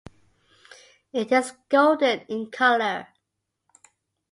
It is golden in colour.